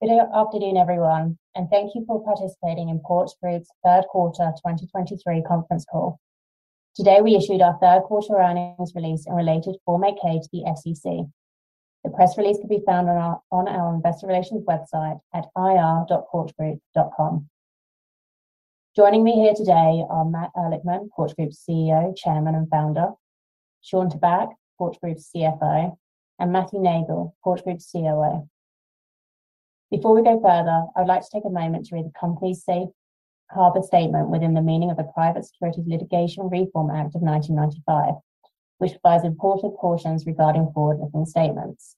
Good afternoon, everyone, and thank you for participating in Porch Group's third quarter 2023 conference call. Today, we issued our third quarter earnings release and related Form 8-K to the SEC. The press release can be found on our investor relations website at ir.porchgroup.com. Joining me here today are Matt Ehrlichman, Porch Group's CEO, Chairman, and Founder, Shawn Tabak, Porch Group's CFO, and Matthew Neagle, Porch Group's COO. Before we go further, I would like to take a moment to read the company's safe harbor statement within the meaning of the Private Securities Litigation Reform Act of 1995, which provides important cautions regarding forward-looking statements.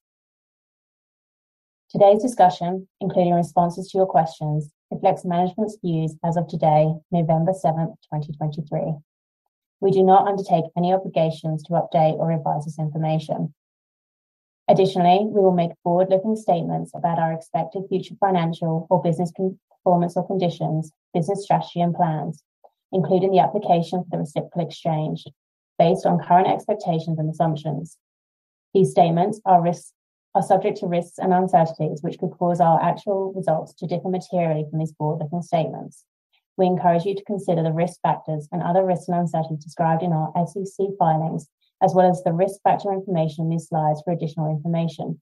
Today's discussion, including responses to your questions, reflects management's views as of today, November 7, 2023. We do not undertake any obligations to update or revise this information. Additionally, we will make forward-looking statements about our expected future financial or business performance or conditions, business strategy, and plans, including the application for the Reciprocal Exchange, based on current expectations and assumptions. These statements are subject to risks and uncertainties, which could cause our actual results to differ materially from these forward-looking statements. We encourage you to consider the risk factors and other risks and uncertainties described in our SEC filings, as well as the risk factor information in these slides for additional information,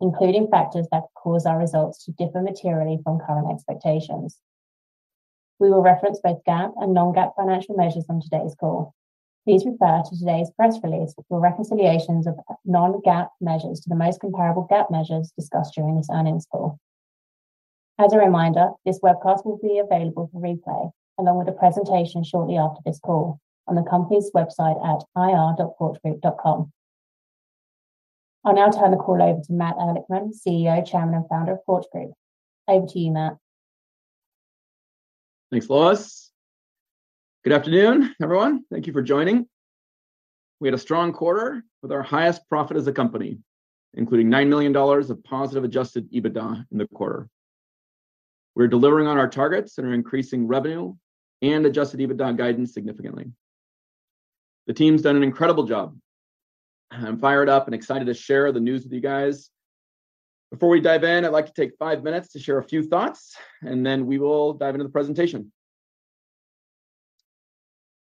including factors that could cause our results to differ materially from current expectations. We will reference both GAAP and non-GAAP financial measures on today's call. Please refer to today's press release for reconciliations of non-GAAP measures to the most comparable GAAP measures discussed during this earnings call. As a reminder, this webcast will be available for replay, along with a presentation shortly after this call on the company's website at ir.porchgroup.com. I'll now turn the call over to Matt Ehrlichman, CEO, Chairman, and Founder of Porch Group. Over to you, Matt. Thanks, Lois. Good afternoon, everyone. Thank you for joining. We had a strong quarter with our highest profit as a company, including $9 million of positive Adjusted EBITDA in the quarter. We're delivering on our targets and are increasing revenue and Adjusted EBITDA guidance significantly. The team's done an incredible job. I'm fired up and excited to share the news with you guys. Before we dive in, I'd like to take five minutes to share a few thoughts, and then we will dive into the presentation.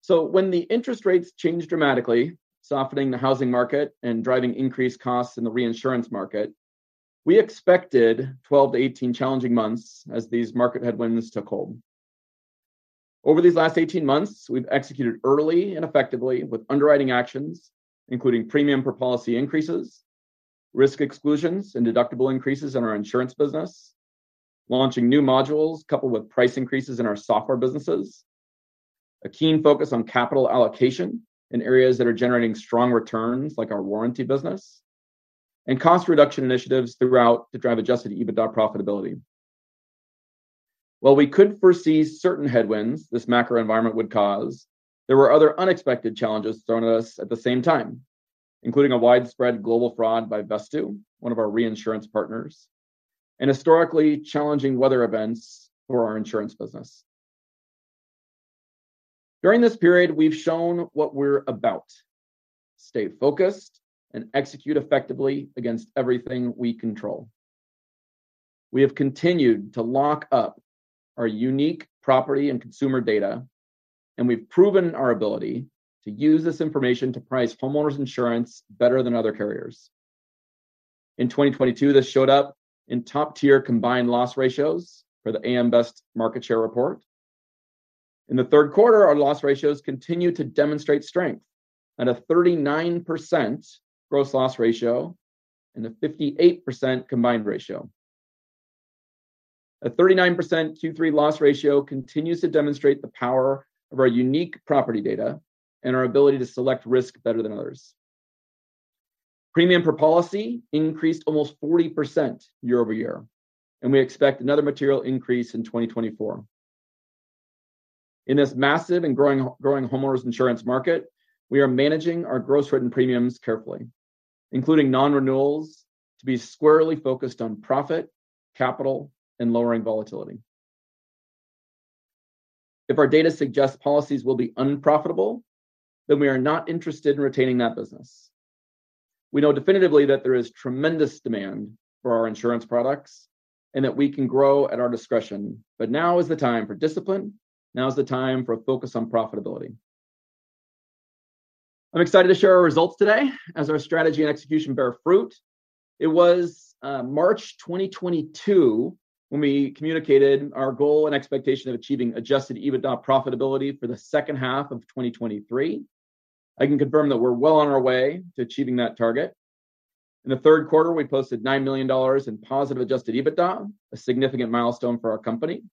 When the interest rates changed dramatically, softening the housing market and driving increased costs in the reinsurance market, we expected 12-18 challenging months as these market headwinds took hold. Over these last 18 months, we've executed early and effectively with underwriting actions, including premium per policy increases, risk exclusions, and deductible increases in our insurance business, launching new modules coupled with price increases in our software businesses, a keen focus on capital allocation in areas that are generating strong returns, like our warranty business, and cost reduction initiatives throughout to drive Adjusted EBITDA profitability. While we could foresee certain headwinds this macro environment would cause, there were other unexpected challenges thrown at us at the same time, including a widespread global fraud by Vesttoo, one of our reinsurance partners, and historically challenging weather events for our insurance business. During this period, we've shown what we're about: stay focused and execute effectively against everything we control. We have continued to lock up our unique property and consumer data, and we've proven our ability to use this information to price Homeowners insurance better than other carriers. In 2022, this showed up in top-tier combined loss ratios for the AM Best market share report. In the third quarter, our loss ratios continued to demonstrate strength at a 39% gross loss ratio and a 58% combined ratio. A 39% Q3 loss ratio continues to demonstrate the power of our unique property data and our ability to select risk better than others. Premium per policy increased almost 40% year-over-year, and we expect another material increase in 2024. In this massive and growing, growing Homeowners insurance market, we are managing our gross written premiums carefully, including non-renewals, to be squarely focused on profit, capital, and lowering volatility. If our data suggests policies will be unprofitable, then we are not interested in retaining that business. We know definitively that there is tremendous demand for our insurance products and that we can grow at our discretion, but now is the time for discipline. Now is the time for a focus on profitability. I'm excited to share our results today as our strategy and execution bear fruit. It was March 2022 when we communicated our goal and expectation of achieving Adjusted EBITDA profitability for the second half of 2023. I can confirm that we're well on our way to achieving that target. In the third quarter, we posted $9 million in positive Adjusted EBITDA, a significant milestone for our company,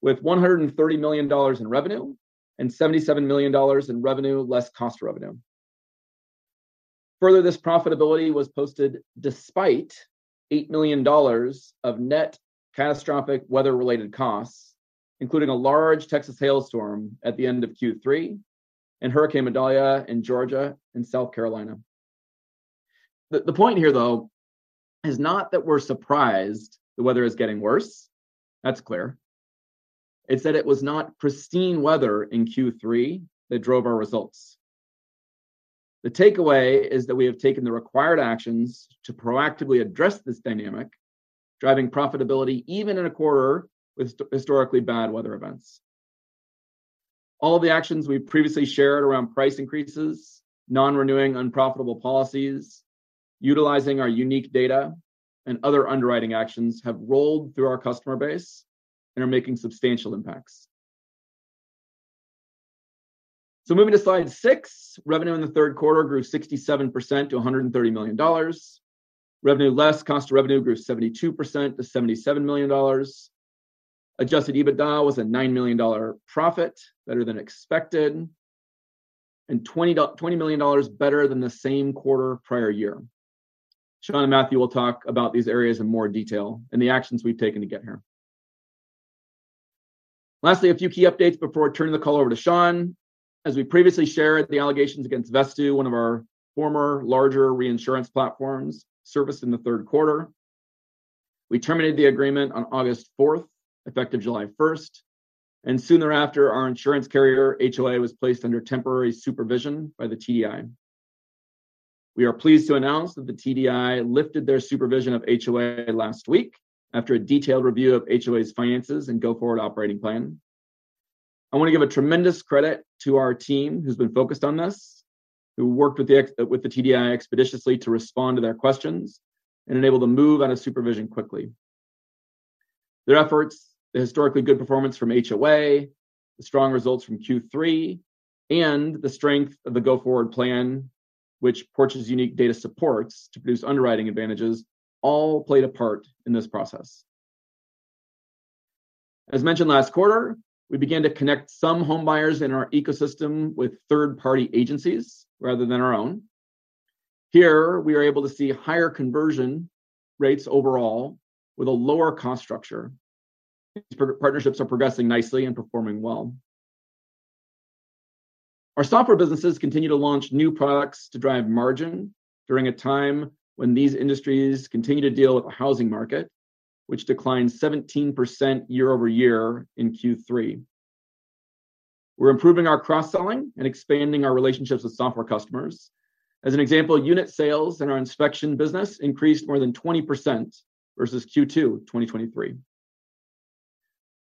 with $130 million in revenue and $77 million in revenue, less cost revenue. Further, this profitability was posted despite $8 million of net catastrophic weather-related costs, including a large Texas hailstorm at the end of Q3 and Hurricane Idalia in Georgia and South Carolina. The point here, though, is not that we're surprised the weather is getting worse. That's clear. It's that it was not pristine weather in Q3 that drove our results. The takeaway is that we have taken the required actions to proactively address this dynamic, driving profitability even in a quarter with historically bad weather events. All the actions we've previously shared around price increases, non-renewing unprofitable policies, utilizing our unique data, and other underwriting actions have rolled through our customer base and are making substantial impacts. So moving to slide six, revenue in the third quarter grew 67% to $130 million. Revenue less cost of revenue grew 72% to $77 million. Adjusted EBITDA was a $9 million profit, better than expected, and $20 million better than the same quarter prior year. Shawn and Matthew will talk about these areas in more detail and the actions we've taken to get here. Lastly, a few key updates before turning the call over to Shawn. As we previously shared, the allegations against Vesttoo, one of our former larger reinsurance platforms, surfaced in the third quarter. We terminated the agreement on August fourth, effective July first, and soon thereafter, our insurance carrier, HOA, was placed under temporary supervision by the TDI. We are pleased to announce that the TDI lifted their supervision of HOA last week after a detailed review of HOA's finances and go-forward operating plan. I want to give a tremendous credit to our team who's been focused on this, who worked with the TDI expeditiously to respond to their questions and enabled them to move out of supervision quickly. Their efforts, the historically good performance from HOA, the strong results from Q3, and the strength of the go-forward plan, which Porch's unique data supports to produce underwriting advantages, all played a part in this process. As mentioned last quarter, we began to connect some home buyers in our ecosystem with third-party agencies, rather than our own. Here, we are able to see higher conversion rates overall with a lower cost structure. These partnerships are progressing nicely and performing well. Our software businesses continue to launch new products to drive margin during a time when these industries continue to deal with a housing market, which declined 17% year-over-year in Q3. We're improving our cross-selling and expanding our relationships with software customers. As an example, unit sales in our Inspection Business increased more than 20% versus Q2 2023.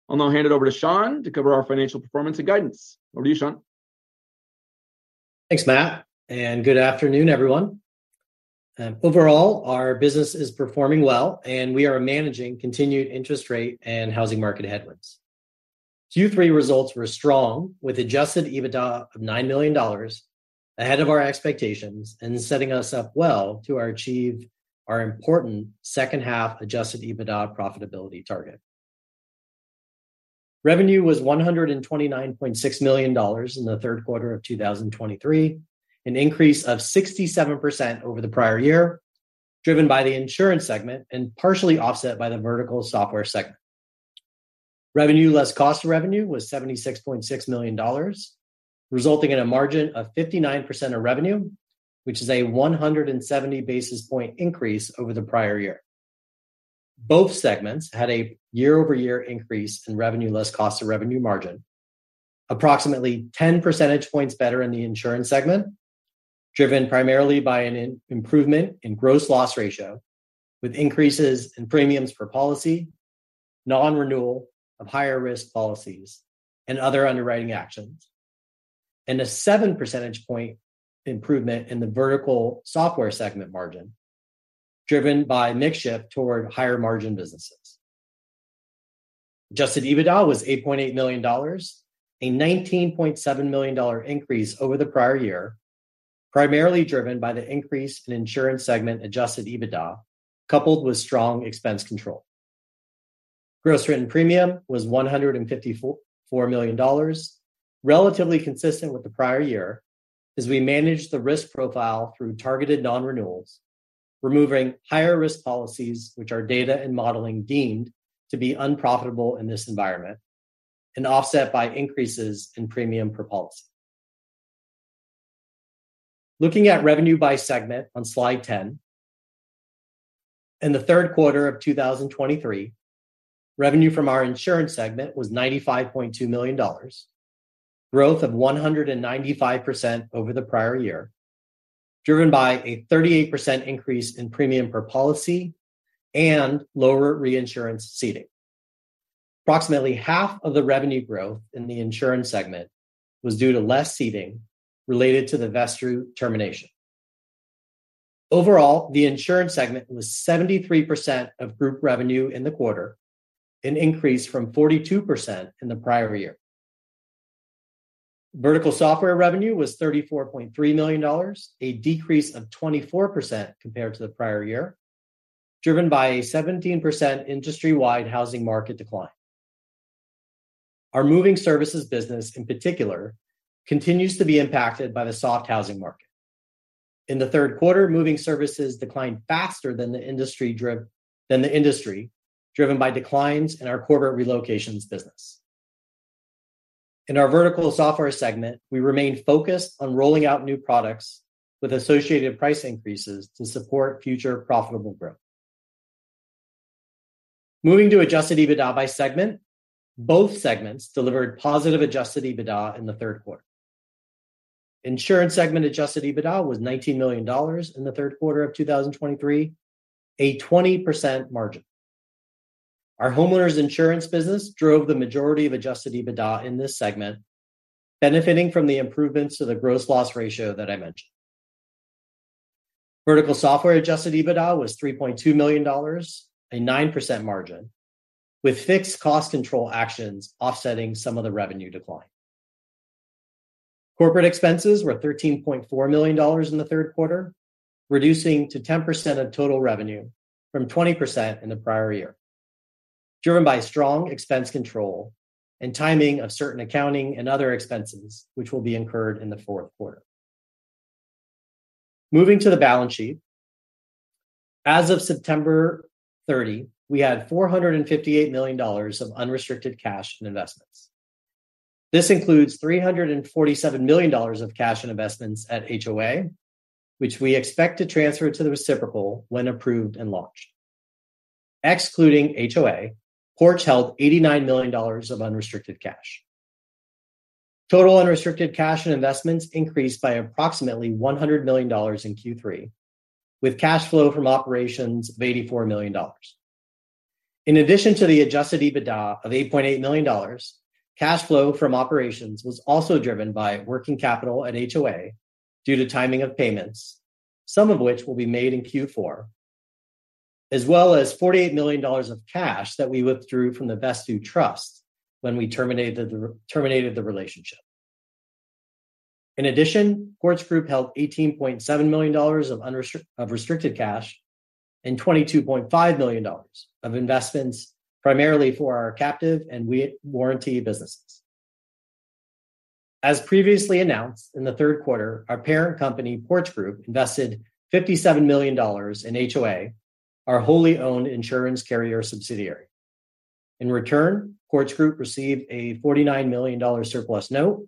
I'll now hand it over to Shawn to cover our financial performance and guidance. Over to you, Shawn. Thanks, Matt, and good afternoon, everyone. Overall, our business is performing well, and we are managing continued interest rate and housing market headwinds. Q3 results were strong, with Adjusted EBITDA of $9 million, ahead of our expectations and setting us up well to achieve our important second half Adjusted EBITDA profitability target. Revenue was $129.6 million in the third quarter of 2023, an increase of 67% over the prior year, driven by the insurance segment and partially offset by the Vertical Software segment. Revenue less cost of revenue was $76.6 million, resulting in a margin of 59% of revenue, which is a 170 basis point increase over the prior year. Both segments had a year-over-year increase in revenue less cost of revenue margin, approximately 10% points better in the insurance segment, driven primarily by an improvement in Gross Loss Ratio, with increases in premiums per policy, non-renewal of higher risk policies, and other underwriting actions. A 7% point improvement in the Vertical Software segment margin, driven by mix shift toward higher margin businesses. Adjusted EBITDA was $8.8 million, a $19.7 million increase over the prior year, primarily driven by the increase in insurance segment Adjusted EBITDA, coupled with strong expense control. Gross Written Premium was $154 million, relatively consistent with the prior year, as we managed the risk profile through targeted non-renewals, removing higher risk policies, which our data and modeling deemed to be unprofitable in this environment and offset by increases in premium per policy. Looking at revenue by segment on slide 10, in the third quarter of 2023, revenue from our insurance segment was $95.2 million. Growth of 195% over the prior year, driven by a 38% increase in premium per policy and lower reinsurance ceding. Approximately half of the revenue growth in the insurance segment was due to less ceding related to the Vesttoo termination. Overall, the insurance segment was 73% of group revenue in the quarter, an increase from 42% in the prior year. Vertical software revenue was $34.3 million, a decrease of 24% compared to the prior year, driven by a 17% industry-wide housing market decline. Our moving services business, in particular, continues to be impacted by the soft housing market. In the third quarter, moving services declined faster than the industry, driven by declines in our corporate relocations business. In our Vertical Software segment, we remain focused on rolling out new products with associated price increases to support future profitable growth. Moving to Adjusted EBITDA by segment, both segments delivered positive Adjusted EBITDA in the third quarter. Insurance segment Adjusted EBITDA was $19 million in the third quarter of 2023, a 20% margin. Our Homeowners insurance business drove the majority of Adjusted EBITDA in this segment, benefiting from the improvements to the gross loss ratio that I mentioned. Vertical Software Adjusted EBITDA was $3.2 million, a 9% margin, with fixed cost control actions offsetting some of the revenue decline. Corporate expenses were $13.4 million in the third quarter, reducing to 10% of total revenue from 20% in the prior year, driven by strong expense control and timing of certain accounting and other expenses, which will be incurred in the fourth quarter. Moving to the balance sheet. As of September 30, we had $458 million of unrestricted cash and investments. This includes $347 million of cash and investments at HOA, which we expect to transfer to the reciprocal when approved and launched. Excluding HOA, Porch held $89 million of unrestricted cash. Total unrestricted cash and investments increased by approximately $100 million in Q3, with cash flow from operations of $84 million. In addition to the Adjusted EBITDA of $8.8 million, cash flow from operations was also driven by working capital at HOA due to timing of payments, some of which will be made in Q4, as well as $48 million of cash that we withdrew from the Vesttoo trust when we terminated the relationship. In addition, Porch Group held $18.7 million of unrestricted cash and $22.5 million of investments, primarily for our captive and warranty businesses. As previously announced, in the third quarter, our parent company, Porch Group, invested $57 million in HOA, our wholly owned insurance carrier subsidiary. In return, Porch Group received a $49 million surplus note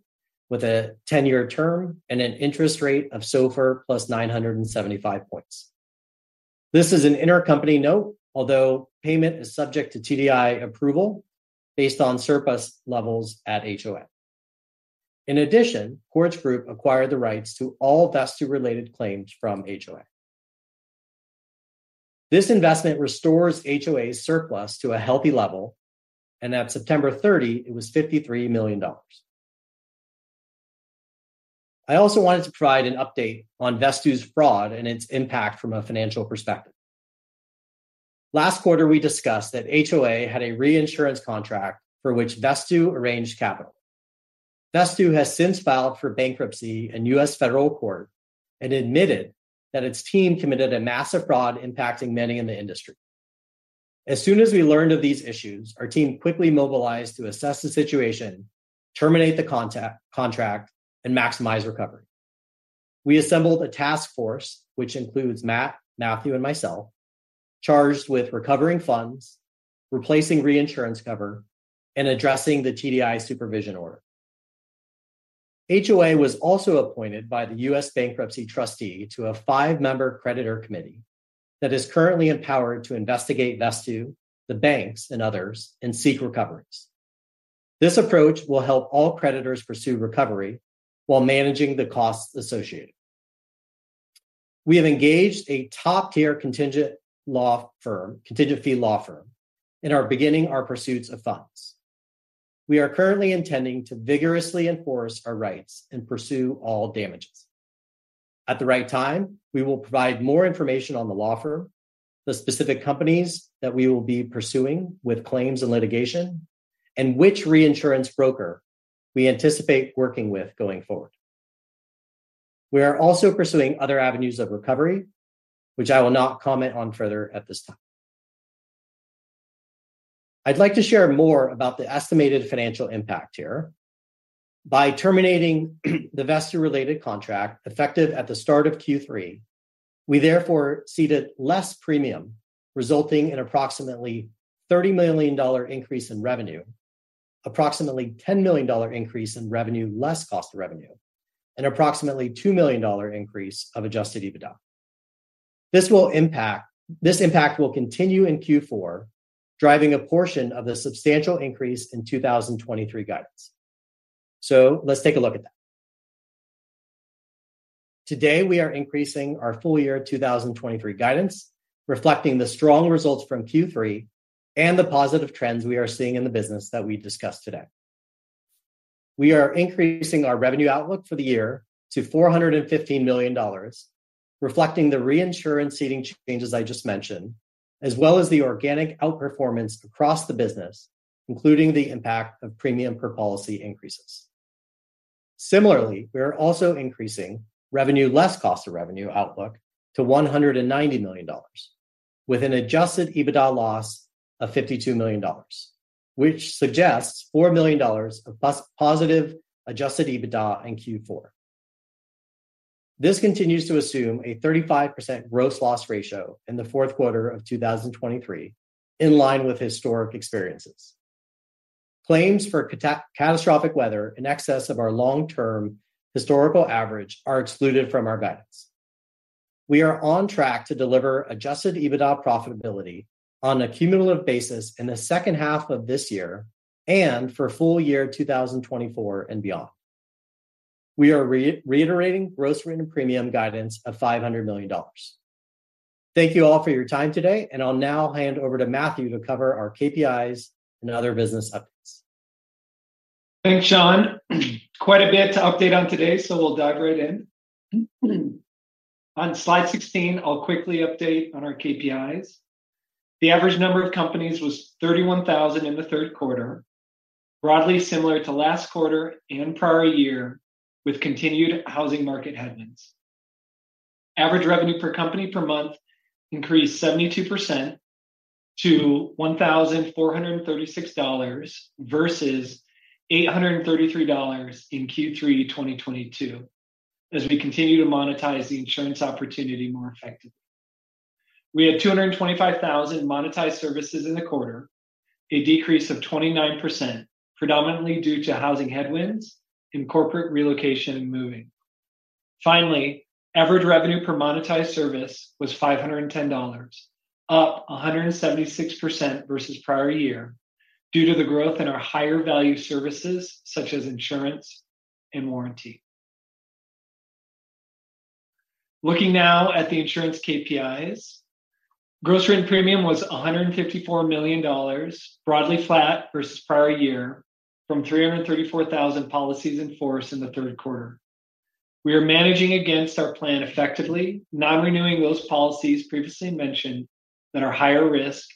with a 10-year term and an interest rate of SOFR plus 975 points. This is an intercompany note, although payment is subject to TDI approval based on surplus levels at HOA. In addition, Porch Group acquired the rights to all Vesttoo-related claims from HOA. This investment restores HOA's surplus to a healthy level, and at September 30, it was $53 million. I also wanted to provide an update on Vesttoo's fraud and its impact from a financial perspective. Last quarter, we discussed that HOA had a reinsurance contract for which Vesttoo arranged capital. Vesttoo has since filed for bankruptcy in US Federal Court and admitted that its team committed a massive fraud impacting many in the industry. As soon as we learned of these issues, our team quickly mobilized to assess the situation, terminate the contract, and maximize recovery. We assembled a task force, which includes Matt, Matthew, and myself, charged with recovering funds, replacing reinsurance cover, and addressing the TDI supervision order. HOA was also appointed by the U.S. bankruptcy trustee to a five-member creditor committee that is currently empowered to investigate Vesttoo, the banks, and others, and seek recoveries. This approach will help all creditors pursue recovery while managing the costs associated. We have engaged a top-tier contingent law firm, contingent fee law firm, in our beginning our pursuits of funds. We are currently intending to vigorously enforce our rights and pursue all damages. At the right time, we will provide more information on the law firm, the specific companies that we will be pursuing with claims and litigation, and which reinsurance broker we anticipate working with going forward. We are also pursuing other avenues of recovery, which I will not comment on further at this time. I'd like to share more about the estimated financial impact here. By terminating the Vesttoo-related contract, effective at the start of Q3, we therefore ceded less premium, resulting in approximately $30 million increase in revenue, approximately $10 million increase in revenue less cost of revenue, and approximately $2 million increase of Adjusted EBITDA. This impact will continue in Q4, driving a portion of the substantial increase in 2023 guidance. So let's take a look at that. Today, we are increasing our full year 2023 guidance, reflecting the strong results from Q3 and the positive trends we are seeing in the business that we discussed today. We are increasing our revenue outlook for the year to $415 million, reflecting the reinsurance ceding changes I just mentioned, as well as the organic outperformance across the business, including the impact of premium per policy increases. Similarly, we are also increasing revenue, less cost of revenue outlook to $190 million, with an Adjusted EBITDA loss of $52 million, which suggests $4 million of business-positive Adjusted EBITDA in Q4. This continues to assume a 35% gross loss ratio in the fourth quarter of 2023, in line with historic experiences. Claims for catastrophic weather in excess of our long-term historical average are excluded from our guidance. We are on track to deliver Adjusted EBITDA profitability on a cumulative basis in the second half of this year and for full year 2024 and beyond. We are reiterating gross written premium guidance of $500 million. Thank you all for your time today, and I'll now hand over to Matthew to cover our KPIs and other business updates. Thanks, Shawn. Quite a bit to update on today, so we'll dive right in. On slide 16, I'll quickly update on our KPIs. The average number of companies was 31,000 in the third quarter, broadly similar to last quarter and prior year, with continued housing market headwinds. Average revenue per company per month increased 72% to $1,436, versus $833 in Q3 2022, as we continue to monetize the insurance opportunity more effectively. We had 225,000 monetized services in the quarter, a decrease of 29%, predominantly due to housing headwinds and corporate relocation and moving. Finally, average revenue per monetized service was $510, up a 176% versus prior year, due to the growth in our higher value services, such as insurance and warranty. Looking now at the insurance KPIs. Gross written premium was $154 million, broadly flat versus prior year, from 334,000 policies in force in the third quarter. We are managing against our plan effectively, non-renewing those policies previously mentioned that are higher risk,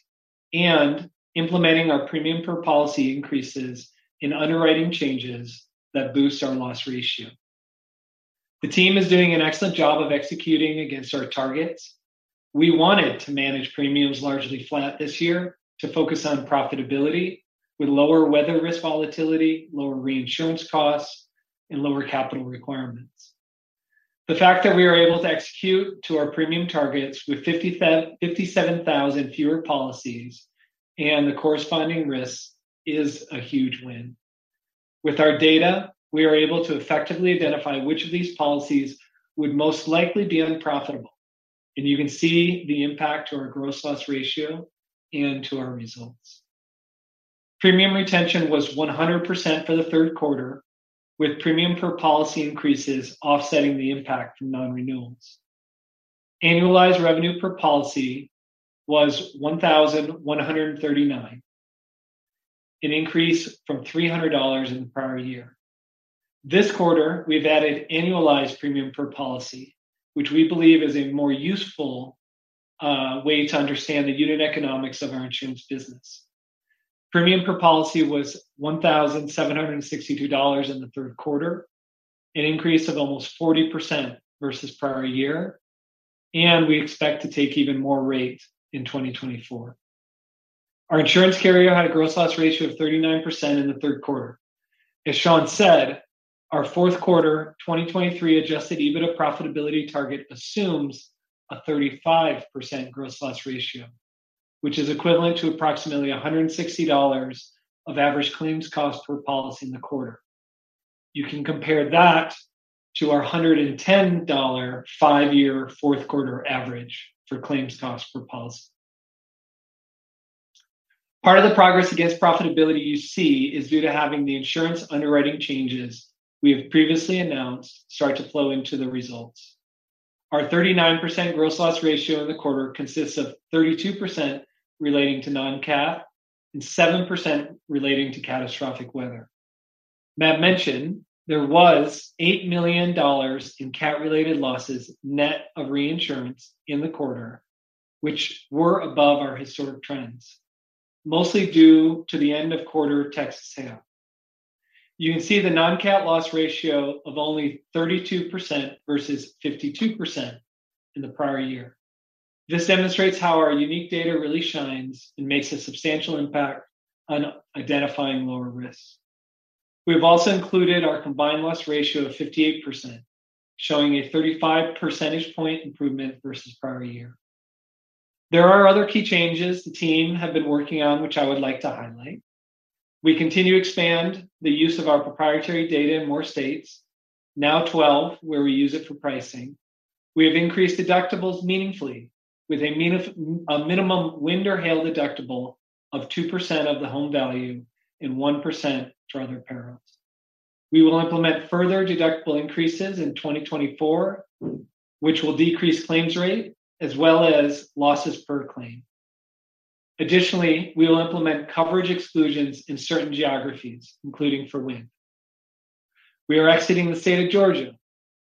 and implementing our premium per policy increases and underwriting changes that boost our loss ratio. The team is doing an excellent job of executing against our targets. We wanted to manage premiums largely flat this year to focus on profitability with lower weather risk volatility, lower reinsurance costs, and lower capital requirements. The fact that we are able to execute to our premium targets with 57,000 fewer policies and the corresponding risks is a huge win. With our data, we are able to effectively identify which of these policies would most likely be unprofitable, and you can see the impact to our gross loss ratio and to our results. Premium retention was 100% for the third quarter, with premium per policy increases offsetting the impact from non-renewals. Annualized revenue per policy was 1,139, an increase from $300 in the prior year. This quarter, we've added annualized premium per policy, which we believe is a more useful way to understand the unit economics of our insurance business. Premium per policy was $1,762 in the third quarter, an increase of almost 40% versus prior year, and we expect to take even more rate in 2024. Our insurance carrier had a gross loss ratio of 39% in the third quarter. As Sean said, our fourth quarter 2023 Adjusted EBITDA profitability target assumes a 35% gross loss ratio, which is equivalent to approximately $160 of average claims cost per policy in the quarter. You can compare that to our $110 5-year fourth quarter average for claims cost per policy. Part of the progress against profitability you see is due to having the insurance underwriting changes we have previously announced start to flow into the results. Our 39% gross loss ratio in the quarter consists of 32% relating to non-cat and 7% relating to catastrophic weather. Matt mentioned there was $8 million in cat-related losses, net of reinsurance in the quarter, which were above our historic trends, mostly due to the end of quarter Texas hail. You can see the non-cat loss ratio of only 32% versus 52% in the prior year. This demonstrates how our unique data really shines and makes a substantial impact on identifying lower risks. We've also included our combined loss ratio of 58%, showing a 35% point improvement versus prior year. There are other key changes the team have been working on, which I would like to highlight. We continue to expand the use of our proprietary data in more states, now 12, where we use it for pricing. We have increased deductibles meaningfully with a minimum wind or hail deductible of 2% of the home value and 1% for other perils. We will implement further deductible increases in 2024, which will decrease claims rate as well as losses per claim. Additionally, we will implement coverage exclusions in certain geographies, including for wind. We are exiting the state of Georgia.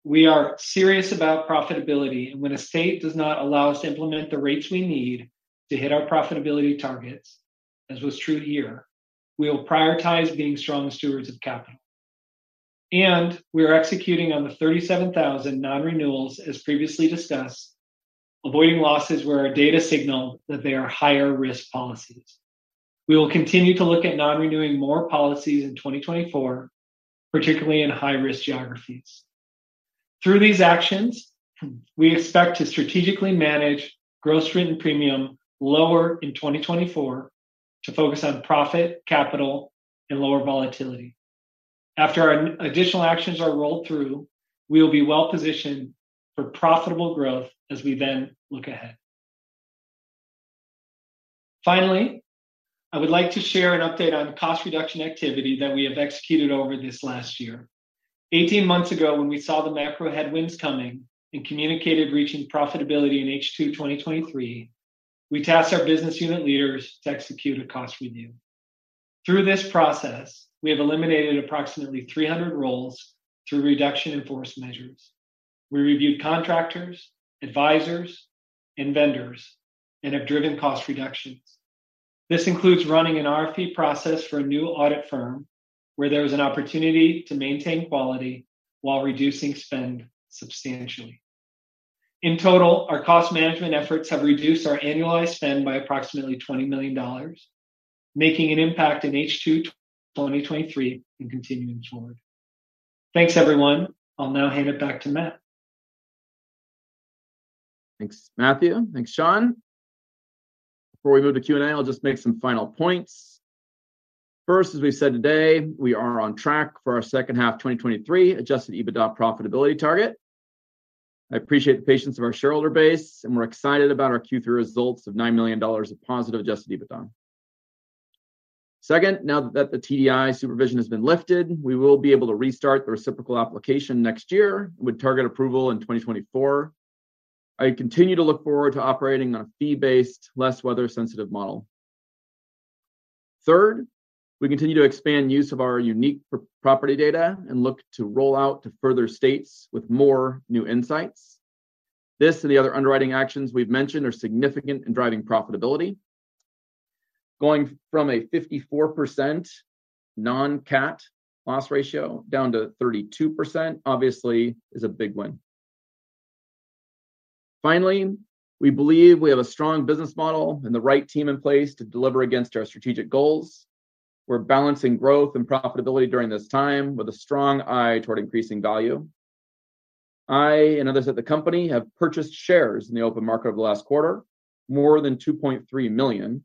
We are serious about profitability, and when a state does not allow us to implement the rates we need to hit our profitability targets, as was true here, we will prioritize being strong stewards of capital. We are executing on the 37,000 non-renewals, as previously discussed, avoiding losses where our data signal that they are higher risk policies. We will continue to look at non-renewing more policies in 2024, particularly in high-risk geographies. Through these actions, we expect to strategically manage gross written premium lower in 2024 to focus on profit, capital, and lower volatility. After our additional actions are rolled through, we will be well positioned for profitable growth as we then look ahead. Finally, I would like to share an update on cost reduction activity that we have executed over this last year. 18 months ago, when we saw the macro headwinds coming and communicated reaching profitability in H2 2023, we tasked our business unit leaders to execute a cost review. Through this process, we have eliminated approximately 300 roles through reduction in force measures. We reviewed contractors, advisors, and vendors and have driven cost reductions. This includes running an RFP process for a new audit firm, where there is an opportunity to maintain quality while reducing spend substantially. In total, our cost management efforts have reduced our annualized spend by approximately $20 million, making an impact in H2 2023 and continuing forward. Thanks, everyone. I'll now hand it back to Matt. Thanks, Matthew. Thanks, Shawn. Before we move to Q&A, I'll just make some final points. First, as we said today, we are on track for our second half 2023 Adjusted EBITDA profitability target. I appreciate the patience of our shareholder base, and we're excited about our Q3 results of $9 million of positive Adjusted EBITDA. Second, now that the TDI supervision has been lifted, we will be able to restart the reciprocal application next year, with target approval in 2024. I continue to look forward to operating on a fee-based, less weather-sensitive model. Third, we continue to expand use of our unique proprietary property data and look to roll out to further states with more new insights. This and the other underwriting actions we've mentioned are significant in driving profitability. Going from a 54% non-cat loss ratio down to 32%, obviously, is a big win. Finally, we believe we have a strong business model and the right team in place to deliver against our strategic goals. We're balancing growth and profitability during this time with a strong eye toward increasing value. I and others at the company have purchased shares in the open market over the last quarter, more than 2.3 million,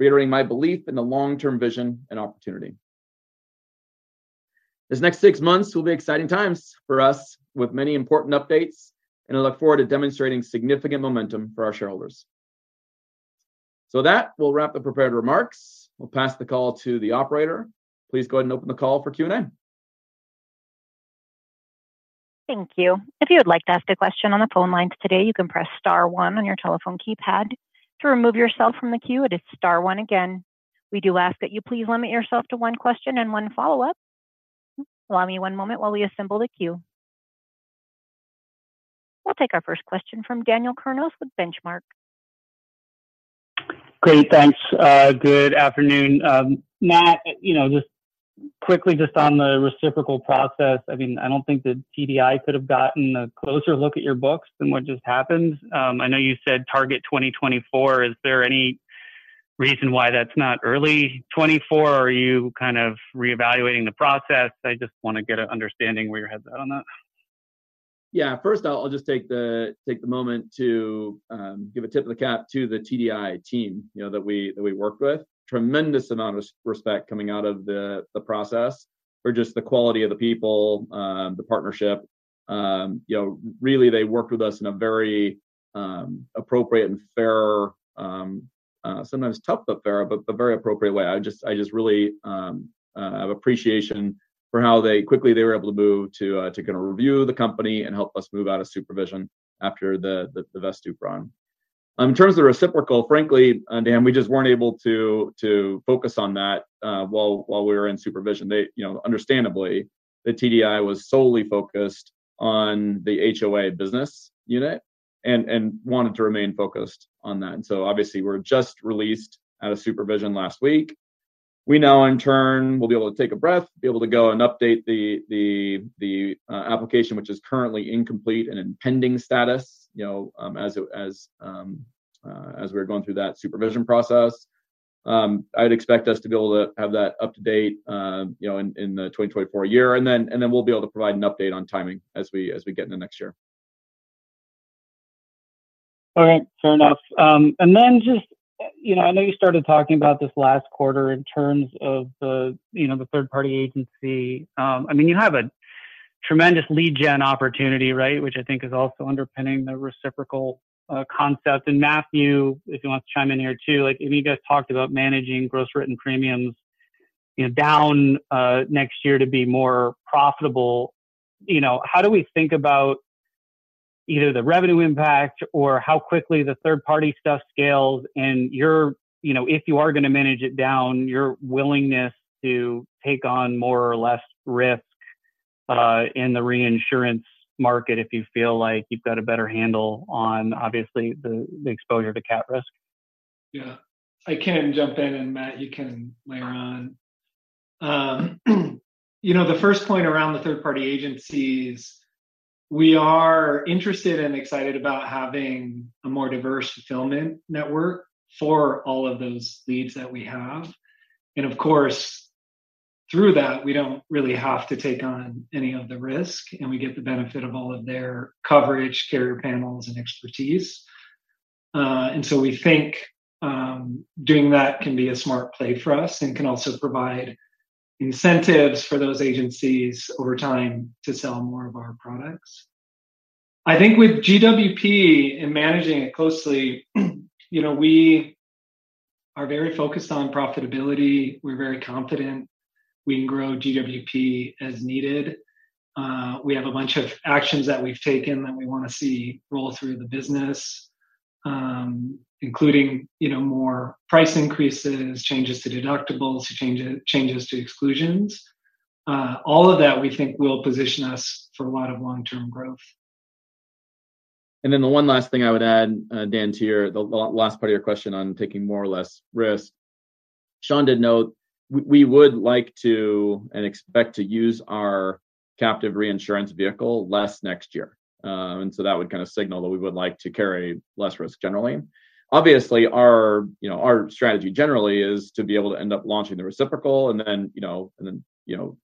reiterating my belief in the long-term vision and opportunity. This next six months will be exciting times for us, with many important updates, and I look forward to demonstrating significant momentum for our shareholders. So that will wrap the prepared remarks. We'll pass the call to the operator. Please go ahead and open the call for Q&A. Thank you. If you would like to ask a question on the phone lines today, you can press star one on your telephone keypad. To remove yourself from the queue, it is star one again. We do ask that you please limit yourself to one question and one follow-up. Allow me one moment while we assemble the queue. We'll take our first question from Daniel Kurnos with Benchmark. Great, thanks. Good afternoon. Matt, you know, just quickly just on the reciprocal process, I mean, I don't think the TDI could have gotten a closer look at your books than what just happened. I know you said target 2024. Is there any reason why that's not early 2024, or are you kind of reevaluating the process? I just want to get an understanding where your head's at on that. Yeah. First, I'll just take the moment to give a tip of the cap to the TDI team, you know, that we work with. Tremendous amount of respect coming out of the process for just the quality of the people, the partnership. You know, really, they worked with us in a very appropriate and fair, sometimes tough, but fair, but a very appropriate way. I just really have appreciation for how quickly they were able to move to kind of review the company and help us move out of supervision after the Vesttoo run. In terms of the reciprocal, frankly, Dan, we just weren't able to focus on that while we were in supervision. They, you know, understandably, the TDI was solely focused on the HOA business unit and wanted to remain focused on that. So obviously, we're just released out of supervision last week. We now, in turn, will be able to take a breath, be able to go and update the application, which is currently incomplete and in pending status, you know, as we're going through that supervision process. I'd expect us to be able to have that up to date, you know, in the 2024 year, and then we'll be able to provide an update on timing as we get into next year. All right. Fair enough. And then just, you know, I know you started talking about this last quarter in terms of the, you know, the third-party agency. I mean, you have a tremendous lead gen opportunity, right? Which I think is also underpinning the reciprocal concept. And Matthew, if you want to chime in here too, like, and you guys talked about managing gross written premiums, you know, down next year to be more profitable. You know, how do we think about either the revenue impact or how quickly the third-party stuff scales and your you know, if you are going to manage it down, your willingness to take on more or less risk in the reinsurance market, if you feel like you've got a better handle on, obviously, the exposure to cat risk? Yeah. I can jump in, and Matt, you can layer on. You know, the first point around the third-party agencies, we are interested and excited about having a more diverse fulfillment network for all of those leads that we have. And of course, through that, we don't really have to take on any of the risk, and we get the benefit of all of their coverage, carrier panels, and expertise. And so we think, doing that can be a smart play for us and can also provide incentives for those agencies over time to sell more of our products. I think with GWP and managing it closely, you know, we are very focused on profitability. We're very confident we can grow GWP as needed. We have a bunch of actions that we've taken that we wanna see roll through the business, including, you know, more price increases, changes to deductibles, changes, changes to exclusions. All of that we think will position us for a lot of long-term growth. And then the one last thing I would add, Dan, to the last part of your question on taking more or less risk. Sean did note, we would like to and expect to use our captive reinsurance vehicle less next year. And so that would kind of signal that we would like to carry less risk generally. Obviously, our you know, our strategy generally is to be able to end up launching the reciprocal and then, you know, and then, you know,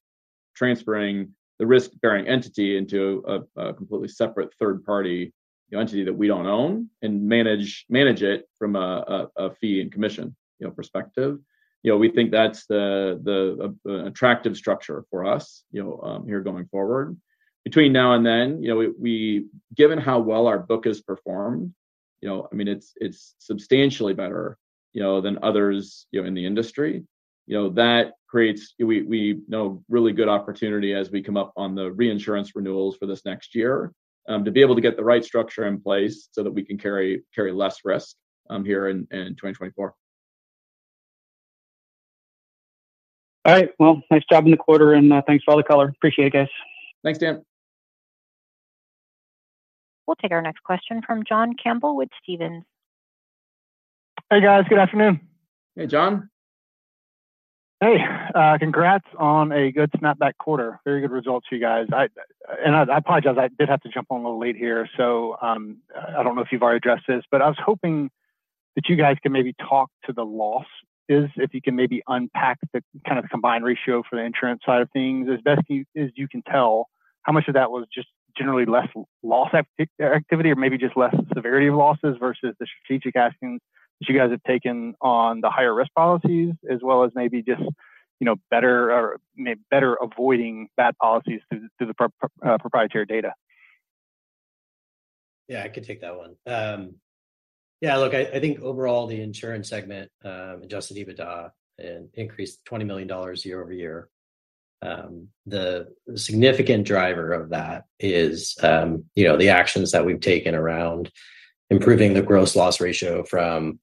transferring the risk-bearing entity into a completely separate third party you know, entity that we don't own, and manage it from a fee and commission you know, perspective. You know, we think that's the attractive structure for us you know, here, going forward. Between now and then, you know, we. Given how well our book has performed, you know, I mean, it's, it's substantially better, you know, than others, you know, in the industry. You know, that creates, we, we know, really good opportunity as we come up on the reinsurance renewals for this next year, to be able to get the right structure in place so that we can carry, carry less risk, here in, in 2024. All right. Well, nice job in the quarter, and thanks for all the color. Appreciate it, guys. Thanks, Dan. We'll take our next question from John Campbell with Stephens. Hey, guys. Good afternoon. Hey, John. Hey, congrats on a good snapback quarter. Very good results, you guys. I apologize, I did have to jump on a little late here, so I don't know if you've already addressed this, but I was hoping that you guys could maybe talk to the losses. If you can maybe unpack the kind of combined ratio for the insurance side of things. As best you, as you can tell, how much of that was just generally less loss activity, or maybe just less severity of losses versus the strategic actions that you guys have taken on the higher risk policies, as well as maybe just, you know, better or maybe better avoiding bad policies through the proprietary data? Yeah, I can take that one. Yeah, look, I think overall, the insurance segment Adjusted EBITDA increased $20 million year-over-year. The significant driver of that is, you know, the actions that we've taken around improving the Gross Loss Ratio from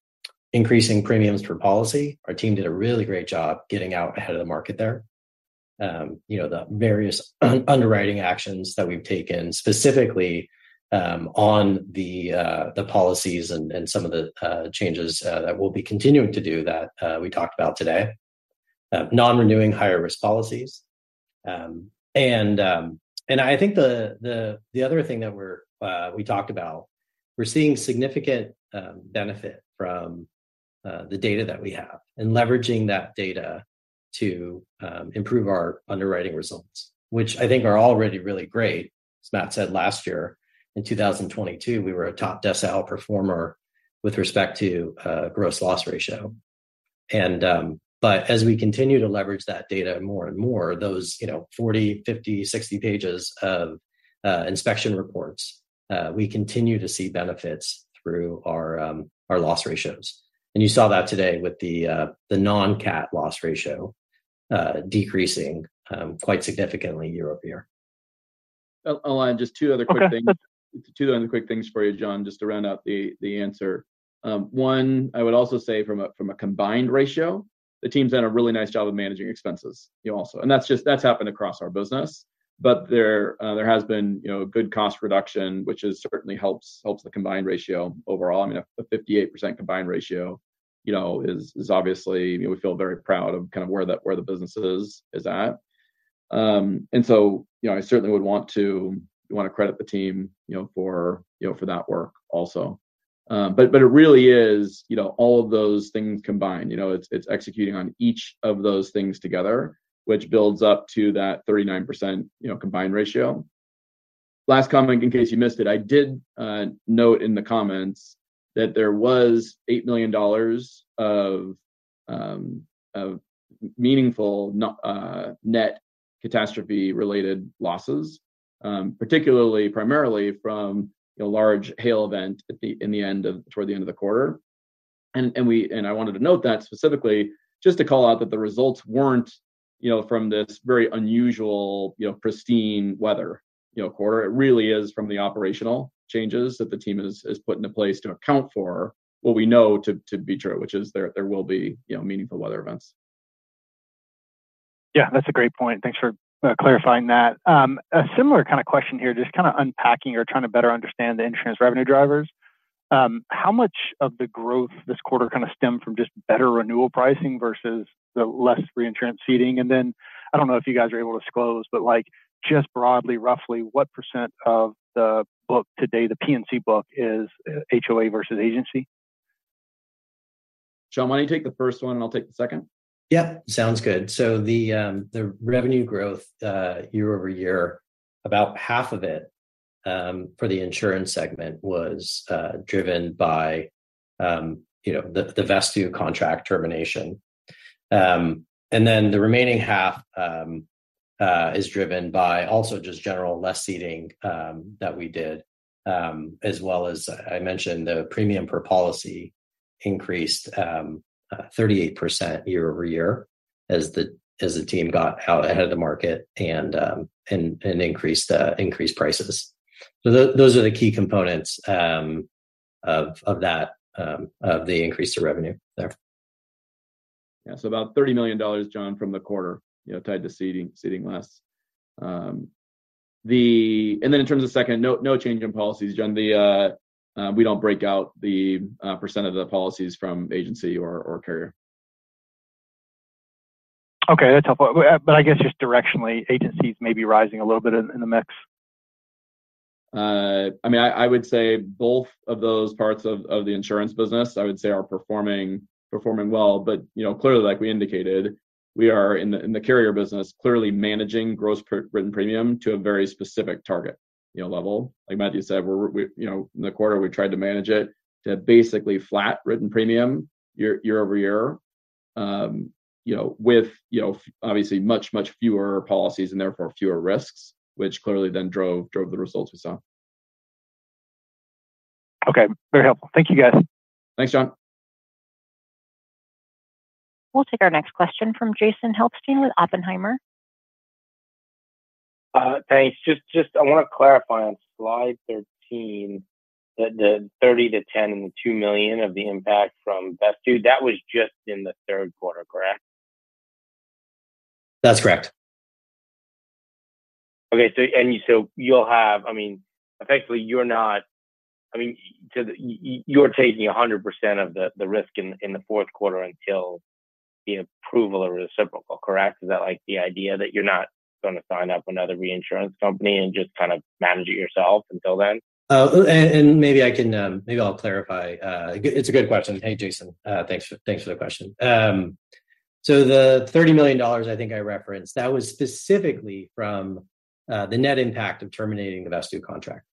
increasing premiums per policy. Our team did a really great job getting out ahead of the market there. You know, the various underwriting actions that we've taken specifically on the policies and some of the changes that we'll be continuing to do that we talked about today. Non-renewing higher risk policies. And I think the other thing that we talked about, we're seeing significant benefit from the data that we have and leveraging that data to improve our underwriting results, which I think are already really great. As Matt said, last year, in 2022, we were a top decile performer with respect to Gross Loss Ratio. But as we continue to leverage that data more and more, those, you know, 40, 50, 60 pages of inspection reports, we continue to see benefits through our loss ratios. And you saw that today with the non-cat loss ratio decreasing quite significantly year-over-year. Oh, oh, and just two other quick things. Okay. Two other quick things for you, John, just to round out the answer. One, I would also say from a combined ratio, the team's done a really nice job of managing expenses also, and that's just happened across our business. But there has been, you know, good cost reduction, which certainly helps the combined ratio overall. I mean, a 58% combined ratio, you know, is obviously you know, we feel very proud of kind of where the business is at. And so, you know, I certainly would want to credit the team, you know, for that work also. But it really is, you know, all of those things combined. You know, it's executing on each of those things together, which builds up to that 39%, you know, combined ratio. Last comment, in case you missed it, I did note in the comments that there was $8 million of meaningful, not net catastrophe-related losses, particularly primarily from a large hail event toward the end of the quarter. And I wanted to note that specifically, just to call out that the results weren't, you know, from this very unusual, you know, pristine weather, you know, quarter. It really is from the operational changes that the team has put into place to account for what we know to be true, which is there will be, you know, meaningful weather events. Yeah, that's a great point. Thanks for clarifying that. A similar kind of question here, just kind of unpacking or trying to better understand the insurance revenue drivers. How much of the growth this quarter kind of stemmed from just better renewal pricing versus the less reinsurance ceding? And then I don't know if you guys are able to disclose, but, like, just broadly, roughly, what % of the book today, the P&C book, is HOA versus agency? Shawn, why don't you take the first one, and I'll take the second? Yep, sounds good. So the revenue growth year-over-year, about half of it for the insurance segment was driven by you know, the Vesttoo contract termination. And then the remaining half is driven by also just general less ceding that we did as well as I mentioned, the premium per policy increased 38% year-over-year as the team got out ahead of the market and increased the prices. So those are the key components of that, of the increase of revenue there. Yeah. So about $30 million, John, from the quarter, you know, tied to ceding less. And then in terms of second, no change in policies, John. We don't break out the percentage of the policies from agency or carrier. Okay, that's helpful. But I guess just directionally, agencies may be rising a little bit in the mix? I mean, I would say both of those parts of the insurance business, I would say, are performing well. But, you know, clearly, like we indicated, we are in the carrier business, clearly managing gross written premium to a very specific target, you know, level. Like Matthew said, we're, you know, in the quarter, we tried to manage it to basically flat written premium year-over-year. You know, with, you know, obviously, much fewer policies and therefore fewer risks, which clearly then drove the results we saw. Okay, very helpful. Thank you, guys. Thanks, John. We'll take our next question from Jason Helfstein with Oppenheimer. Thanks. Just, I want to clarify on slide 13, the $30 million to $10 million and $2 million of the impact from Vesttoo, that was just in the third quarter, correct? That's correct. Okay, so you'll have I mean, effectively, you're not—I mean, so you're taking 100% of the risk in the fourth quarter until the approval of the reciprocal, correct? Is that, like, the idea that you're not going to sign up another reinsurance company and just kind of manage it yourself until then? And maybe I can. Maybe I'll clarify. It's a good question. Hey, Jason, thanks for, thanks for the question. So the $30 million I think I referenced, that was specifically from the net impact of terminating the Vesttoo contract.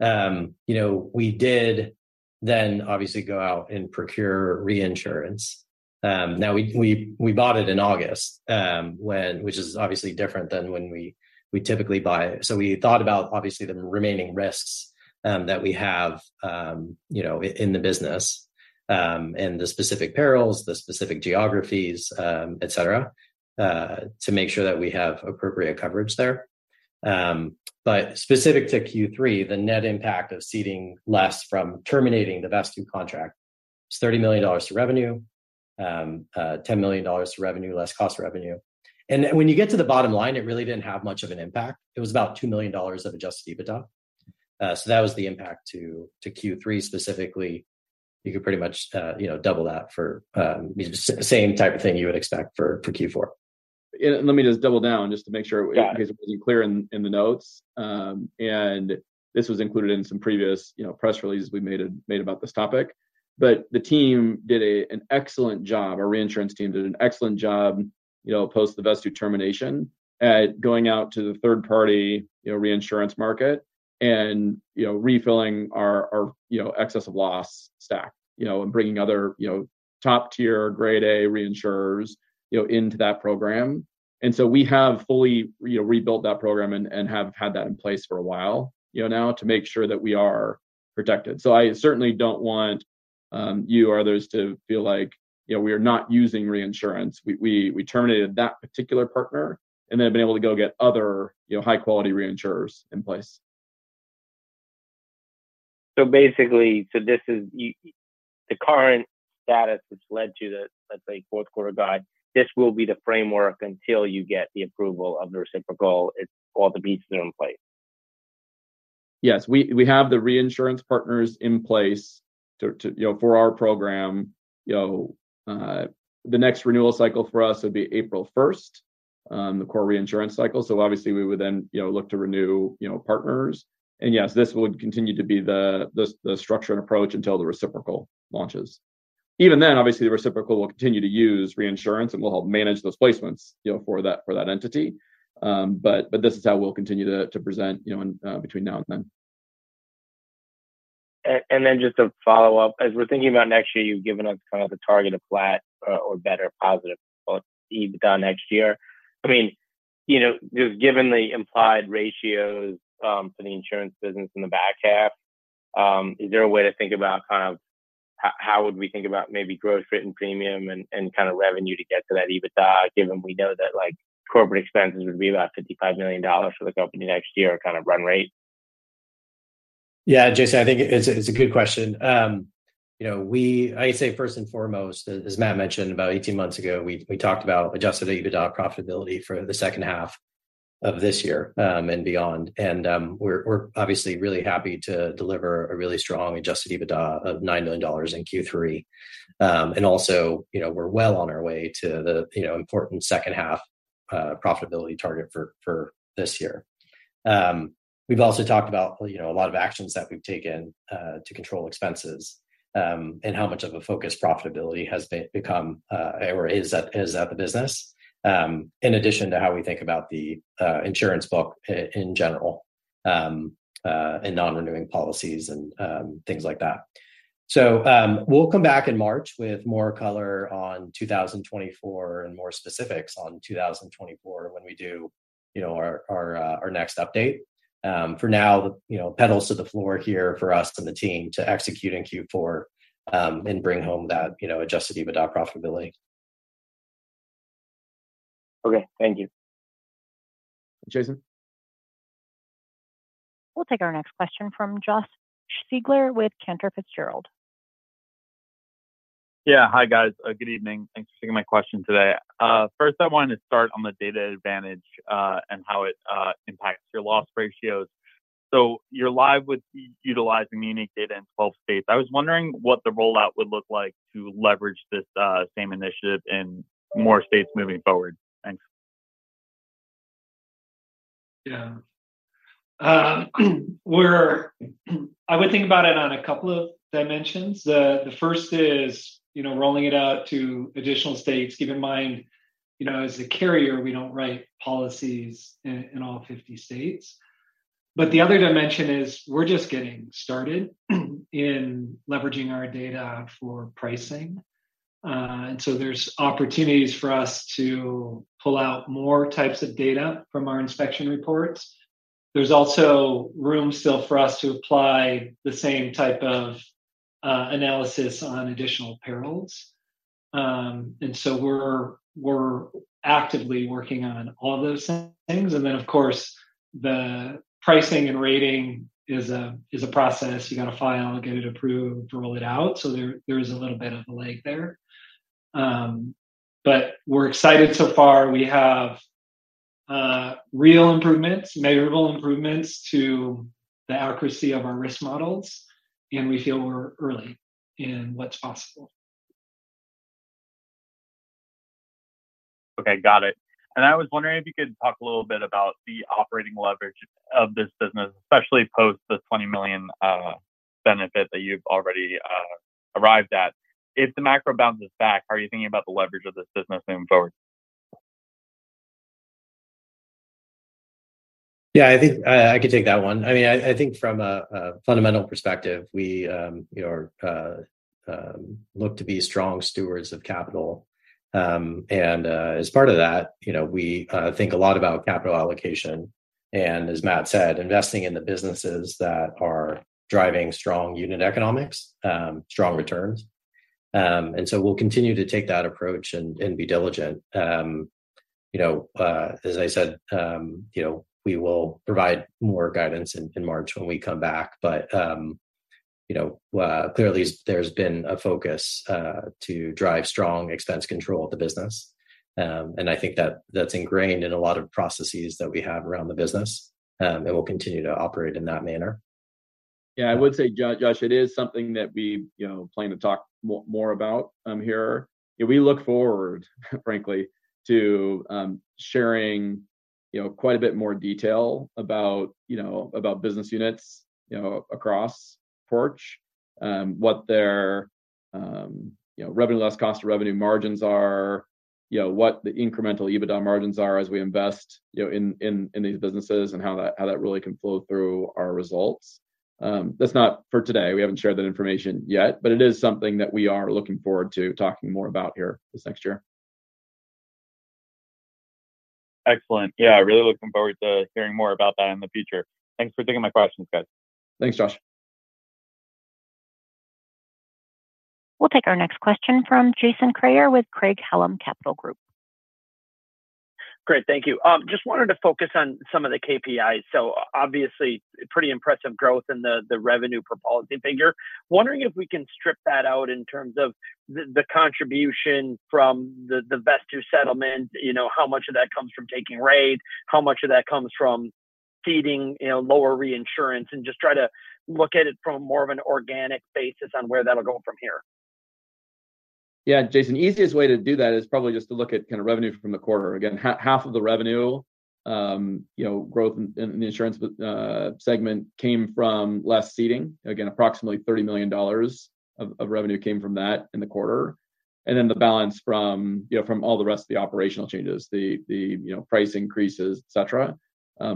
You know, we did then obviously go out and procure reinsurance. Now we bought it in August, when which is obviously different than when we typically buy. So we thought about obviously the remaining risks that we have, you know, in the business, and the specific perils, the specific geographies, et cetera, to make sure that we have appropriate coverage there. Specific to Q3, the net impact of ceding less from terminating the Vesttoo contract is $30 million to revenue, $10 million to revenue, less cost revenue. When you get to the bottom line, it really didn't have much of an impact. It was about $2 million of Adjusted EBITDA. That was the impact to Q3 specifically. You could pretty much, you know, double that for the same type of thing you would expect for Q4. Let me just double down just to make sure. Yeah. It was clear in the notes. And this was included in some previous, you know, press releases we made about this topic. But the team did an excellent job. Our reinsurance team did an excellent job, you know, post the Vesttoo termination at going out to the third party, you know, reinsurance market and, you know, refilling our, you know, excess of loss stack, you know, and bringing other, you know, top-tier grade A reinsurers, you know, into that program. And so we have fully, you know, rebuilt that program and have had that in place for a while, you know, now to make sure that we are protected. So I certainly don't want you or others to feel like, you know, we are not using reinsurance. We terminated that particular partner and then have been able to go get other, you know, high-quality reinsurers in place. So basically, this is the current status, which led to the, let's say, fourth quarter guide. This will be the framework until you get the approval of the reciprocal, all the pieces are in place? Yes. We have the reinsurance partners in place to, you know, for our program. You know, the next renewal cycle for us would be April first, the core reinsurance cycle. So obviously, we would then, you know, look to renew, you know, partners. And yes, this would continue to be the structure and approach until the reciprocal launches. Even then, obviously, the reciprocal will continue to use reinsurance, and we'll help manage those placements, you know, for that entity. But this is how we'll continue to present, you know, and between now and then. And then just to follow up, as we're thinking about next year, you've given us kind of a target of flat or, or better positive EBITDA next year. I mean, you know, just given the implied ratios, for the insurance business in the back half, is there a way to think about kind of how would we think about maybe gross written premium and, and kind of revenue to get to that EBITDA, given we know that, like, corporate expenses would be about $55 million for the company next year, kind of run rate? Yeah, Jason, I think it's a good question. You know, I'd say first and foremost, as Matt mentioned, about 18 months ago, we talked about Adjusted EBITDA profitability for the second half of this year, and beyond. And, we're obviously really happy to deliver a really strong Adjusted EBITDA of $9 million in Q3. And also, you know, we're well on our way to the important second half profitability target for this year. We've also talked about, you know, a lot of actions that we've taken to control expenses, and how much of a focus profitability has become, or is at the business. In addition to how we think about the insurance book in general, and non-renewing policies and things like that. So, we'll come back in March with more color on 2024, and more specifics on 2024 when we do, you know, our next update. For now, you know, pedal to the floor here for us and the team to execute in Q4, and bring home that, you know, Adjusted EBITDA profitability. Okay, thank you. Jason? We'll take our next question from Josh Siegler with Cantor Fitzgerald. Yeah. Hi, guys. Good evening. Thanks for taking my question today. First, I wanted to start on the data advantage, and how it impacts your loss ratios. So you're live with utilizing the unique data in 12 states. I was wondering what the rollout would look like to leverage this same initiative in more states moving forward? Thanks. Yeah. We're€I would think about it on a couple of dimensions. The first is, you know, rolling it out to additional states. Keep in mind, you know, as a carrier, we don't write policies in, in all 50 states. But the other dimension is, we're just getting started in leveraging our data for pricing. And so there's opportunities for us to pull out more types of data from our inspection reports. There's also room still for us to apply the same type of analysis on additional perils. And so we're, we're actively working on all those things. And then, of course, the pricing and rating is a process. You got to file, get it approved to roll it out, so there is a little bit of a lag there. But we're excited so far. We have real improvements, measurable improvements to the accuracy of our risk models, and we feel we're early in what's possible. Okay, got it. And I was wondering if you could talk a little bit about the operating leverage of this business, especially post the $20 million benefit that you've already arrived at. If the macro bounces back, how are you thinking about the leverage of this business moving forward? Yeah, I think, I can take that one. I mean, I think from a fundamental perspective, we, you know, look to be strong stewards of capital. And, as part of that, you know, we think a lot about capital allocation and, as Matt said, investing in the businesses that are driving strong unit economics, strong returns. And so we'll continue to take that approach and be diligent. You know, as I said, you know, we will provide more guidance in March when we come back. But, you know, clearly there's been a focus to drive strong expense control of the business. And I think that that's ingrained in a lot of processes that we have around the business, and we'll continue to operate in that manner. Yeah, I would say, Josh, it is something that we, you know, plan to talk more about, here. And we look forward, frankly, to, sharing, you know, quite a bit more detail about, you know, about business units, you know, across Porch. What their, you know, revenue less cost of revenue margins are, you know, what the incremental EBITDA margins are as we invest, you know, in these businesses, and how that, how that really can flow through our results. That's not for today. We haven't shared that information yet, but it is something that we are looking forward to talking more about here this next year. Excellent. Yeah, really looking forward to hearing more about that in the future. Thanks for taking my questions, guys. Thanks, Josh. We'll take our next question from Jason Kreyer with Craig-Hallum Capital Group. Great. Thank you. Just wanted to focus on some of the KPIs. So obviously, pretty impressive growth in the revenue per policy figure. Wondering if we can strip that out in terms of the contribution from the Vesttoo settlement, you know, how much of that comes from taking rate, how much of that comes from ceding, you know, lower reinsurance, and just try to look at it from more of an organic basis on where that'll go from here. Yeah, Jason, easiest way to do that is probably just to look at kind of revenue from the quarter. Again, half of the revenue, you know, growth in the insurance segment came from less ceding. Again, approximately $30 million of revenue came from that in the quarter, and then the balance from, you know, from all the rest of the operational changes, the you know, price increases, et cetera.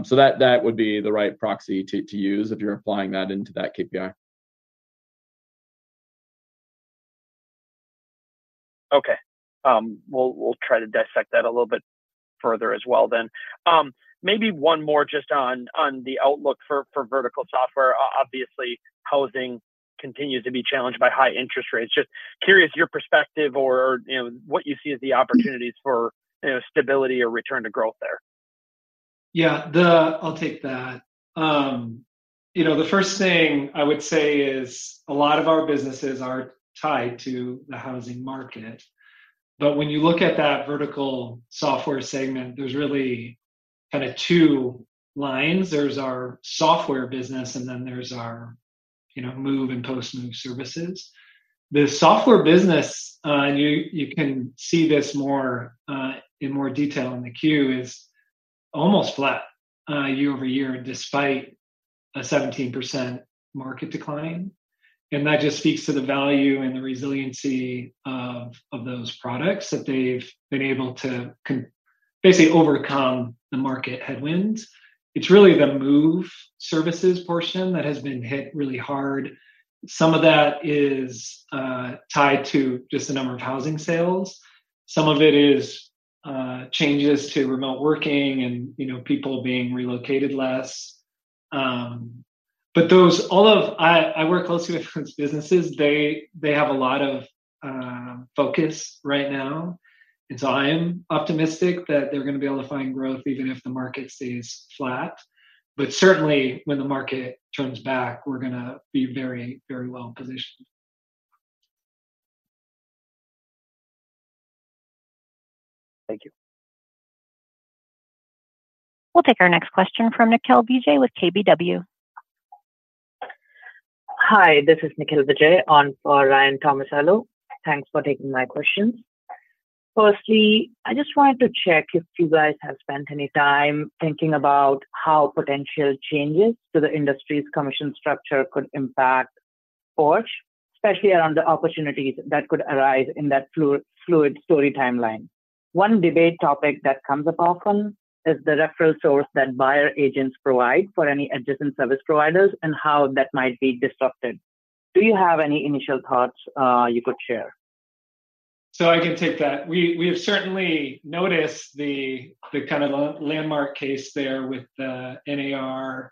So that would be the right proxy to use if you're applying that into that KPI. Okay. We'll try to dissect that a little bit further as well then. Maybe one more just on the outlook for vertical software. Obviously, housing continues to be challenged by high interest rates. Just curious your perspective or, you know, what you see as the opportunities for, you know, stability or return to growth there. Yeah, I'll take that. You know, the first thing I would say is a lot of our businesses are tied to the housing market, but when you look at that Vertical Software segment, there's really kind of two lines. There's our software business, and then there's our you know, move and post-move services. The software business, you can see this more in more detail in the queue, is almost flat year-over-year, despite a 17% market decline. And that just speaks to the value and the resiliency of those products, that they've been able to basically overcome the market headwinds. It's really the move services portion that has been hit really hard. Some of that is tied to just the number of housing sales. Some of it is changes to remote working and, you know, people being relocated less. But those all of, I work closely with businesses, they have a lot of focus right now. And so I'm optimistic that they're gonna be able to find growth even if the market stays flat. But certainly, when the market turns back, we're gonna be very, very well positioned. Thank you. We'll take our next question from Nikhil Vijay with KBW. Hi, this is Nikhil Vijay on for Ryan Tomasello. Thanks for taking my questions. Firstly, I just wanted to check if you guys have spent any time thinking about how potential changes to the industry's commission structure could impact Porch, especially around the opportunities that could arise in that fluid story timeline. One debate topic that comes up often is the referral source that buyer agents provide for any adjacent service providers and how that might be disrupted. Do you have any initial thoughts you could share? So I can take that. We have certainly noticed the kind of landmark case there with the NAR,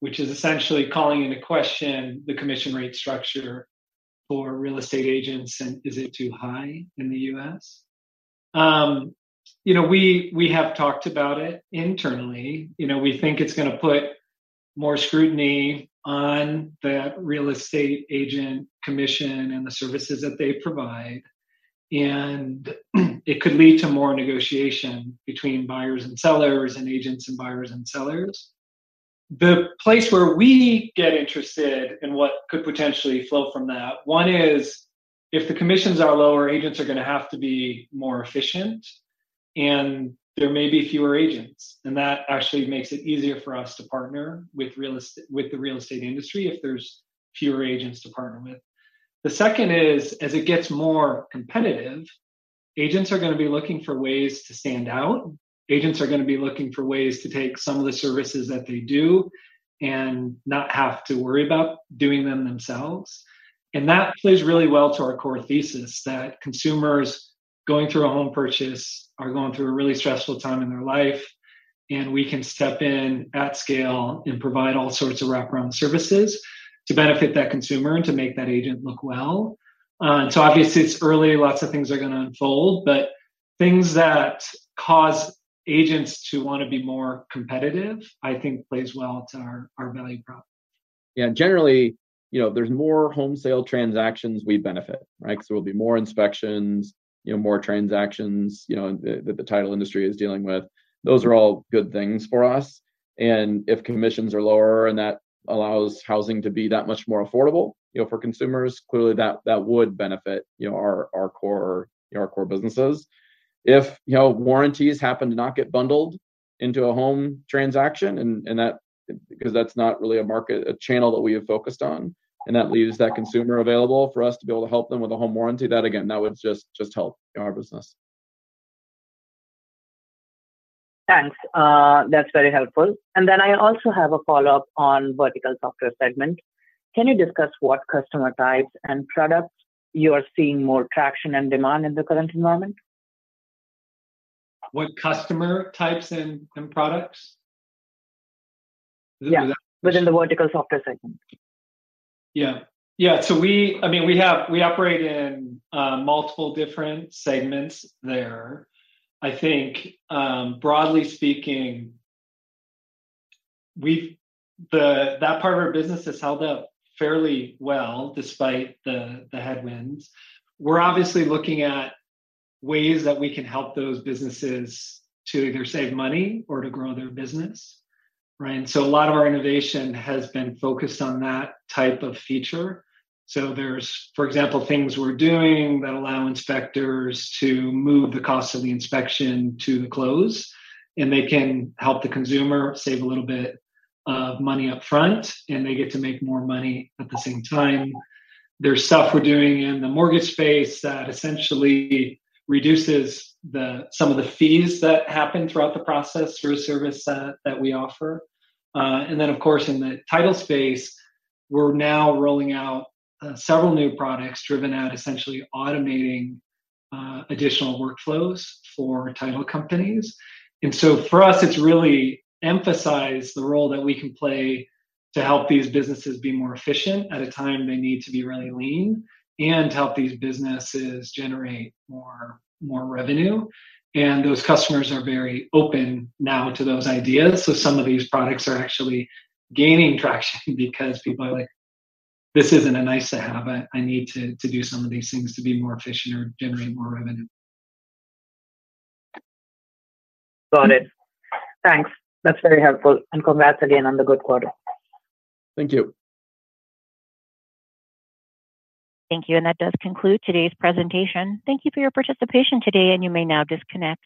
which is essentially calling into question the commission rate structure for real estate agents, and is it too high in the U.S.? You know, we have talked about it internally. You know, we think it's gonna put more scrutiny on the real estate agent commission and the services that they provide. And it could lead to more negotiation between buyers and sellers, and agents, and buyers and sellers. The place where we get interested in what could potentially flow from that, one is, if the commissions are lower, agents are gonna have to be more efficient, and there may be fewer agents. And that actually makes it easier for us to partner with real estate with the real estate industry if there's fewer agents to partner with. The second is, as it gets more competitive, agents are gonna be looking for ways to stand out. Agents are gonna be looking for ways to take some of the services that they do, and not have to worry about doing them themselves. And that plays really well to our core thesis, that consumers going through a home purchase are going through a really stressful time in their life, and we can step in at scale and provide all sorts of wraparound services to benefit that consumer and to make that agent look well. So obviously, it's early, lots of things are gonna unfold, but things that cause agents to wanna be more competitive, I think plays well to our value prop. Yeah, generally, you know, there's more home sale transactions, we benefit, right? So there'll be more inspections, you know, more transactions, you know, the, that the title industry is dealing with. Those are all good things for us. And if commissions are lower, and that allows housing to be that much more affordable, you know, for consumers, clearly, that, that would benefit, you know, our, our core, our core businesses. If, you know, warranties happen to not get bundled into a home transaction, and, and that, because that's not really a market, a channel that we have focused on, and that leaves that consumer available for us to be able to help them with a home warranty, that again, that would just, just help our business. Thanks. That's very helpful. And then I also have a follow-up on Vertical Software segment. Can you discuss what customer types and products you are seeing more traction and demand in the current environment? What customer types and products? Yeah, within the Vertical Software segment. Yeah. Yeah, so I mean, we operate in multiple different segments there. I think, broadly speaking, that part of our business has held up fairly well, despite the headwinds. We're obviously looking at ways that we can help those businesses to either save money or to grow their business, right? So a lot of our innovation has been focused on that type of feature. So there's, for example, things we're doing that allow inspectors to move the cost of the inspection to the close, and they can help the consumer save a little bit of money upfront, and they get to make more money at the same time. There's stuff we're doing in the mortgage space that essentially reduces some of the fees that happen throughout the process through a service that we offer. And then, of course, in the title space, we're now rolling out several new products driven at essentially automating additional workflows for title companies. And so for us, it's really emphasized the role that we can play to help these businesses be more efficient at a time they need to be really lean, and to help these businesses generate more, more revenue. And those customers are very open now to those ideas. So some of these products are actually gaining traction because people are like, "This isn't a nice to have, but I need to, to do some of these things to be more efficient or generate more revenue. Got it. Thanks. That's very helpful, and congrats again on the good quarter. Thank you. Thank you, and that does conclude today's presentation. Thank you for your participation today, and you may now disconnect.